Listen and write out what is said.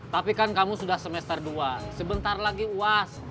tapi kan kamu sudah semester dua sebentar lagi uas